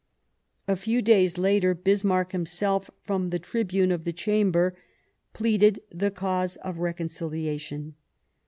A few days later Bismarck himself, from the tribune of the Chamber, pleaded the cause of reconciliation.